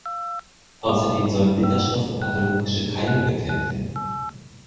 Außerdem sollen Bitterstoffe pathologische Keime bekämpfen.